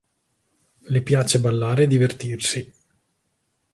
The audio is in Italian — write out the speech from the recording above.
Le piace ballare e divertirsi.